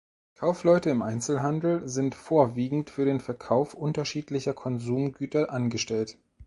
Kaufleute im Einzelhandel sind vorwiegend für den Verkauf unterschiedlicher Konsumgüter angestellt.